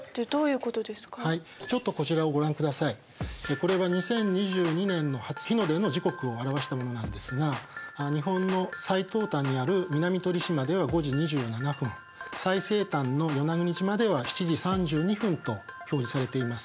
これは２０２２年の初日の出の時刻を表したものなんですが日本の最東端にある南鳥島では５時２７分最西端の与那国島では７時３２分と表示されています。